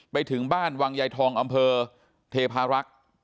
ไปถึงบ้านวังยายทองอำเภอเทพารักษ์